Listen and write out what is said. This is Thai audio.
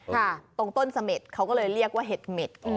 ตรงต้นเสม็ดเขาก็เลยเรียกว่าเห็ดเหม็ด